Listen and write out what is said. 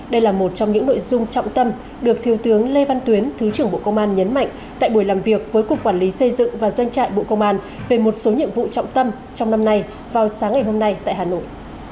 đây là một trong những nội dung trọng tâm được thiều tướng lê văn tuyến thứ trưởng bộ công an nhấn mạnh tại buổi làm việc với cục quản lý xây dựng và doanh trại bộ công an về một số nhiệm vụ trọng tâm trong năm nay vào sáng ngày hôm nay tại hà nội